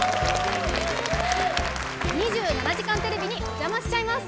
「２７時間テレビ」にお邪魔しちゃいます！